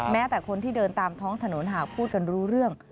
แต่คนที่เดินตามท้องถนนหากพูดกันรู้เรื่อง